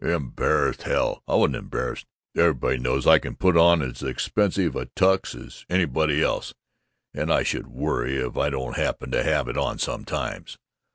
"Embarrassed, hell! I wasn't embarrassed. Everybody knows I can put on as expensive a Tux. as anybody else, and I should worry if I don't happen to have it on sometimes.